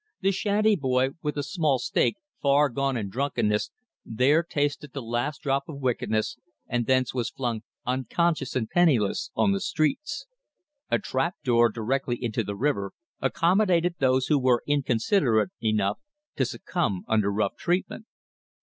The shanty boy with a small stake, far gone in drunkenness, there tasted the last drop of wickedness, and thence was flung unconscious and penniless on the streets. A trap door directly into the river accommodated those who were inconsiderate enough to succumb under rough treatment.